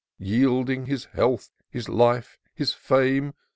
189 Yielding his health, his life, his fame.